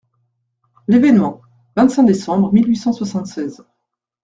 L'ÉVÉNEMENT, vingt-cinq décembre mille huit cent soixante-seize.